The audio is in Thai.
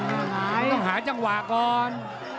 ต้องหาจังหวะก่อน